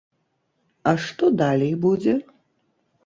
А што далей будзе?